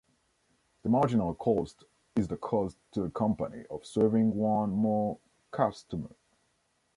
The marginal cost is the cost to the company of serving one more customer.